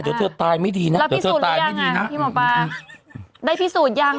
เดี๋ยวเธอตายไม่ดีนะแล้วพี่ป่าได้พิสูจน์ยัง